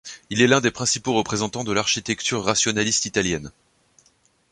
Il est l’un des principaux représentants de l’architecture rationaliste italienne.